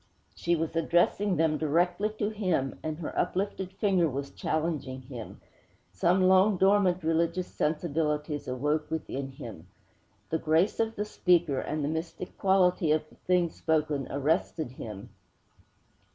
_" She was addressing them directly to him, and her uplifted finger was challenging him. Some long dormant religious sensibilities awoke within him. The grace of the speaker, and the mystic quality of the thing spoken, arrested him.'